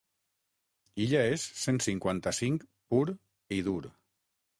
“Illa és cent cinquanta-cinc pur i dur”.